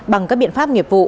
bằng các biện pháp nghiệp vụ